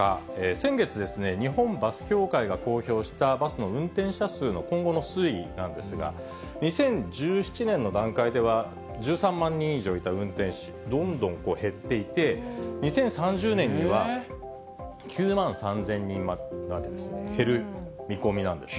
先月、日本バス協会が公表したバスの運転者数の今後の推移なんですが、２０１７年の段階では、１３万人以上いた運転手、どんどん減っていて、２０３０年には９万３０００人まで減る見込みなんですね。